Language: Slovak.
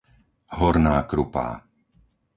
Horná Krupá